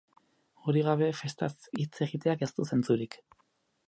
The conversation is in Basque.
Hori gabe festaz hitz egiteak ez du zentzurik.